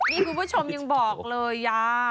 นี่คุณผู้ชมยังบอกเลย